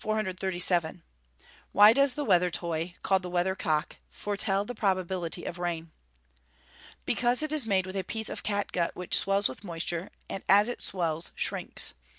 Why does the weather toy, called the "weather cock," foretell the probability of rain? Because it is made with a piece of cat gut which swells with moisture, and as it swells, shrinks.